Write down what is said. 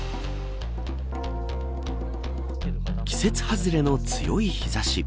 季節外れの強い日差し。